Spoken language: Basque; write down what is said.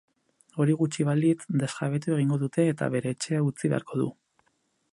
Hori gutxi balitz, desjabetu egingo dute eta bere etxea utzi beharko du.